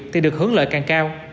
thì được hướng lợi càng cao